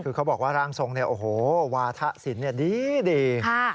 คือเขาบอกว่าร่างทรงเนี่ยโอ้โหวาทะสินดี